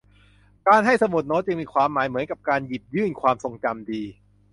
การให้สมุดโน้ตจึงมีความหมายเหมือนกับการหยิบยื่นความทรงจำดี